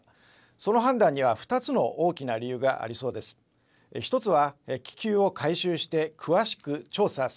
その判断には２つの大きな理由がありそうです。